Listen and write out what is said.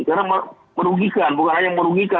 karena merugikan bukan hanya merugikan